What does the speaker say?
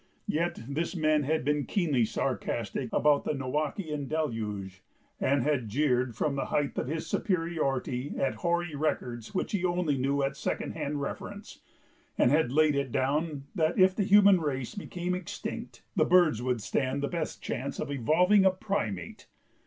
Yet this man had been keenly sarcastic about the Noachian deluge and had jeered from the height of his superiority at hoary records which he knew only at second hand reference, and had laid it down that if the human race became extinct the birds would stand the best chance of "evolving a primate"!